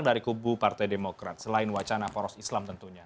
dari kubu partai demokrat selain wacana poros islam tentunya